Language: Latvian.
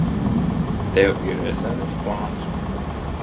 Tev ir rezerves plāns?